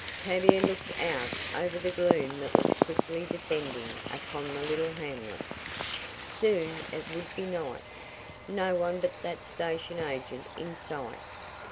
Tavia looked out over the gloom that was quickly descending upon the little hamlet. Soon it would be night! No one but that station agent in sight!